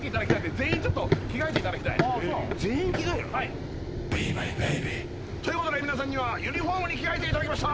全員着替える？ということで皆さんにはユニフォームに着替えていただきました